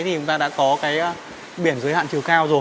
thì chúng ta đã có cái biển giới hạn chiều cao rồi